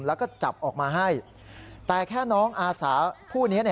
แล้วก็จับออกมาให้แต่แค่น้องอาสาผู้นี้